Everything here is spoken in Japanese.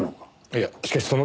いやしかしその。